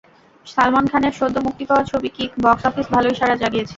সালমান খানের সদ্য মুক্তি পাওয়া ছবি কিক বক্স অফিস ভালোই সাড়া জাগিয়েছে।